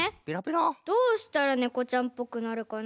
どうしたらねこちゃんっぽくなるかな？